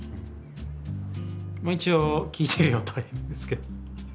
まあ一応「聞いてるよ」とは言うんですけどね。